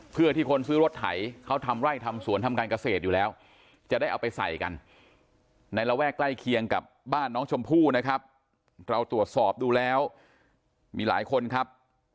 เพื่อที่คนซื้อรถไถเขาทำไร่ทำสวนทำการเกษตรอยู่แล้วจะได้เอาไปใส่กันในระแวกใกล้เคียงกับบ้านน้องชมพู่นะครับเราตรวจสอบดูแล้วมีหลายคนครับ